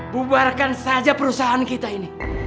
bubarkan saja perusahaan kita ini